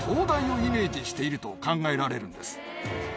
していると考えられるんです。